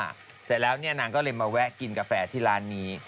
เสร็จแล้วเนี่ยนางก็เลยมาแวะกินกาแฟที่ร้านนี้